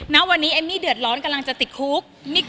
ณวันนี้เอมมี่เดือดร้อนกำลังจะติดคุก